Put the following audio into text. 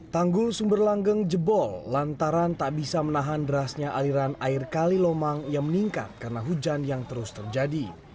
tanggul sumber langgeng jebol lantaran tak bisa menahan derasnya aliran air kalilomang yang meningkat karena hujan yang terus terjadi